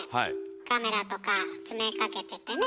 カメラとか詰めかけててね。